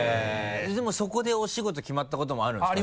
でもそこでお仕事決まったこともあるんですか？